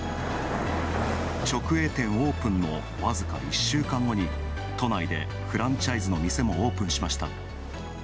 直営店オープンの僅か１週間後に都内でフランチャイズの店もオープンしました。